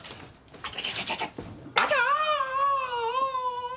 あちゃ！